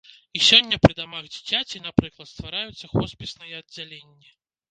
І сёння пры дамах дзіцяці, напрыклад, ствараюцца хоспісныя аддзяленні.